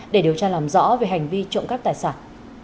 để điều tra làm rõ về hành vi trộm cắp tài sản